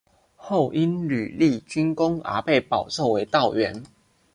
后因屡立军功而被保奏为道员。